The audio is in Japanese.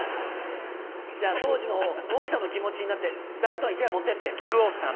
じゃあ当時の奥さんの気持ちになって座布団１枚持ってって。